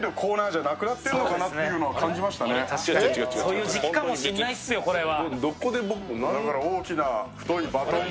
そういう時期かもしんないっすよ、これは。